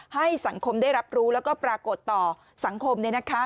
ให้สังคมได้รับรู้แล้วก็ปรากฏต่อสังคม